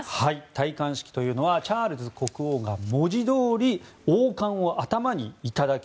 戴冠式はチャールズ国王が文字どおり王冠を頭にいただき